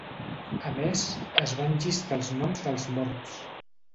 A més, es van llistar els noms dels morts.